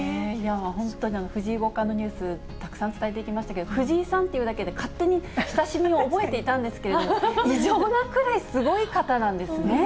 本当に藤井五冠のニュース、たくさん伝えてきましたけれども、藤井さんっていうだけで勝手に親しみを覚えていたんですけれども、異常なくらいすごい方なんですね。